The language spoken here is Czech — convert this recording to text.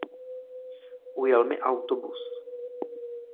Ujel mi autobus.